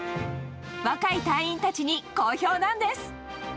若い隊員たちに好評なんです。